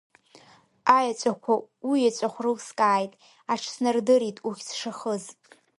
Аеҵәақәа уеҵәахә рылскааит, аҽснардырит ухьӡ шахыз.